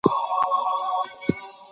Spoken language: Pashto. تاسو د خپل ځان په مینځلو بوخت یاست.